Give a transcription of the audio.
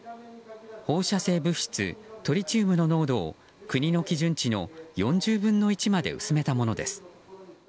放射性物質トリチウムの濃度を国の基準値の４０分の１まで薄めたものです。